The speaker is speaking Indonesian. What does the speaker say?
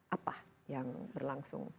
apa yang berlangsung